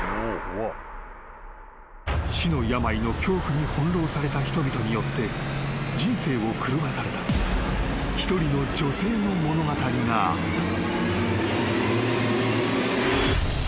［死の病の恐怖に翻弄された人々によって人生を狂わされた一人の女性の物語があった］